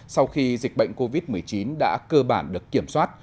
sau khi dịch bệnh covid một mươi chín đã cơ bản được kiểm soát